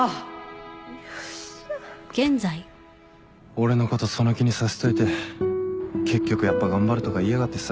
俺のことその気にさせといて結局「やっぱ頑張る」とか言いやがってさ。